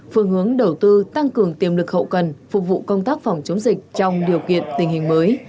phương hướng đầu tư tăng cường tiềm lực hậu cần phục vụ công tác phòng chống dịch trong điều kiện tình hình mới